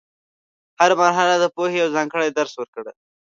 هره مرحله د پوهې یو ځانګړی درس ورکړه.